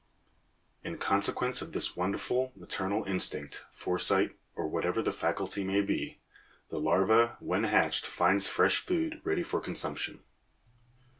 In consequence of this wonderful maternal instinct, foresight, or whatever the faculty may be, the larva when hatched finds fresh food ready for consumption.